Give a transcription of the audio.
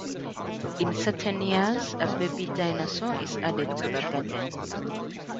In certain years, a baby dinosaur is added to the garden.